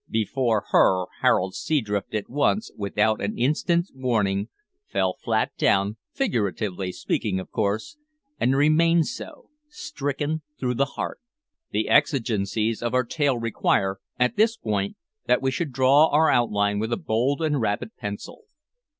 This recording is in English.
Before her, Harold Seadrift at once, without an instant's warning, fell flat down, figuratively speaking of course, and remained so stricken through the heart! The exigencies of our tale require, at this point, that we should draw our outline with a bold and rapid pencil.